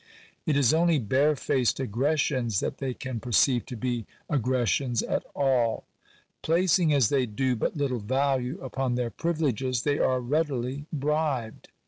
It is only barefaced aggressions that they can perceive to be aggressions at all. Placing as they do but little value upon their privileges, they are readily bribed.